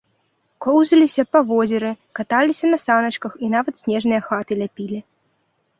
Коўзаліся па возеры, каталіся на саначках і нават снежныя хаты ляпілі.